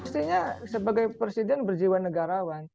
mestinya sebagai presiden berjiwa negarawan